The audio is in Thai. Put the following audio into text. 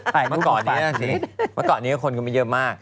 ประกอบนี้คนก็ไม่เยอะมาก